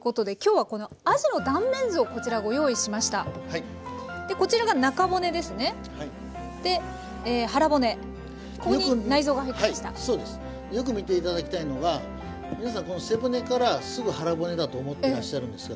はいそうです。よく見ていただきたいのが皆さんこの背骨からすぐ腹骨だと思ってらっしゃるんですが。